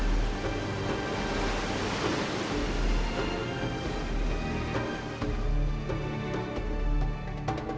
assalamualaikum warahmatullahi wabarakatuh